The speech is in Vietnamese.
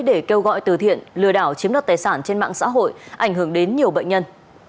để kêu gọi từ thiện lừa đảo chiếm đoạt tài sản trên mạng xã hội ảnh hưởng đến nhiều bệnh nhân